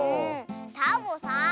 サボさん